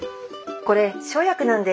これ生薬なんです。